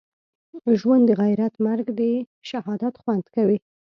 ژوند دغیرت مرګ دښهادت خوند کوی